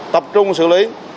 tập trung xử lý